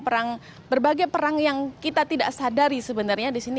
perang berbagai perang yang kita tidak sadari sebenarnya disini